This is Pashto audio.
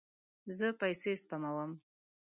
زه پیسې سپموم